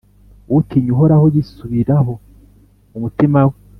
utinya Uhoraho yisubiraho mu mutima we.